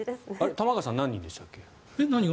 玉川さん何人でしたっけ？